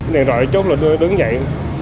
đèn rọi vô chốt là đứng dậy